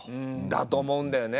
だと思うんだよね。